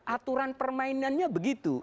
aturan permainannya begitu